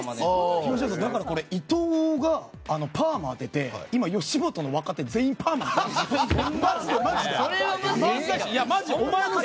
東野さん、だから伊藤がパーマを当てて今、吉本の若手全員パーマしてるんですよ。